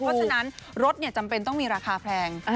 เพราะฉะนั้นรถจำเป็นต้องมีราคาแพง